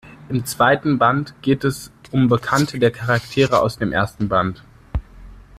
Im zweiten Band geht es um Bekannte der Charaktere aus dem ersten Band.